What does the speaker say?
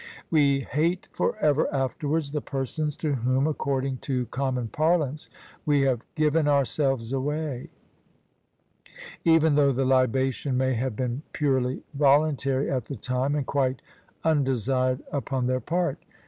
We hate forever afterwards the persons to whom, according to common parlance, we have "given ourselves away"; even though the libation may have been purely voluntary at the time, and quite imdesired upon their part.